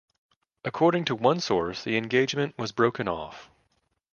According to one source the engagement was broken off.